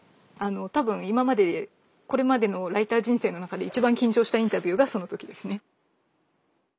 多分今までこれまでのライター人生の中で一番緊張したインタビューがその時ですね。